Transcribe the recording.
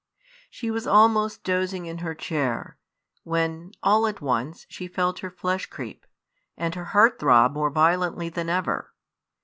She was almost dozing in her chair, when all at once she felt her flesh creep, and her heart throb more violently than ever.